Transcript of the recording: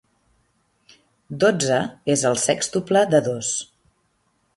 Dotze és el sèxtuple de dos.